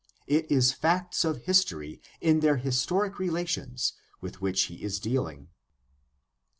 It is facts of history in their historic relations with which he is dealing.